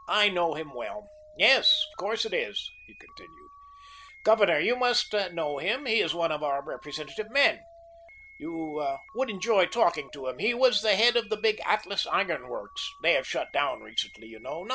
"I know him well. Yes, of course, it is," he continued. "Governor, you must know him. He is one of our representative men. You would enjoy talking to him. He was the head of the big Atlas Iron Works. They have shut down recently, you know.